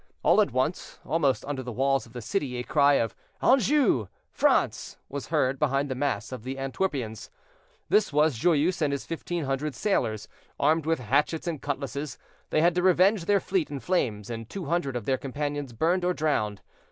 All at once, almost under the walls of the city, a cry of "Anjou! France!" was heard behind the mass of the Antwerpians. This was Joyeuse and his 1,500 sailors, armed with hatchets and cutlasses. They had to revenge their fleet in flames and two hundred of their companions burned or drowned.